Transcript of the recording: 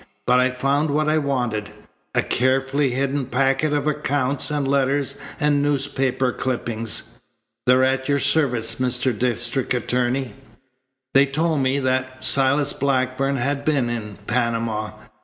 But I found what I wanted a carefully hidden packet of accounts and letters and newspaper clippings. They're at your service, Mr. District Attorney. They told me that Silas Blackburn had been in Panama.